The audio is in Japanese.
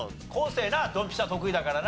生なドンピシャ得意だからな。